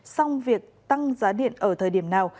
song việc tăng giá điện ở thời điểm nào